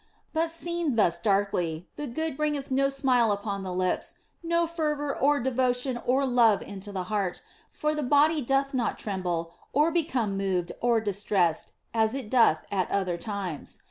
But seen thus darkly, the Good bringeth no smile upon the lips, no fervour or devotion or love into the heart, for the body doth not tremble or become moved or dis tressed as it doth at other times.